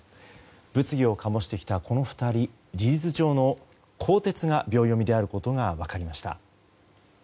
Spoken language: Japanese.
物議を醸してきたこの２人事実上の更迭が秒読みであることが分かりました。